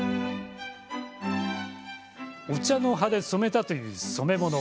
お茶の葉で染めたという染め物。